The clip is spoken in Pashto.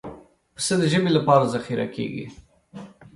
پسه د ژمي لپاره ذخیره کېږي.